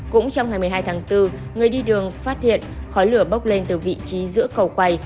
cũng trong ngày một mươi hai tháng bốn người đi đường phát hiện khói lửa bốc lên từ vị trí giữa cầu quay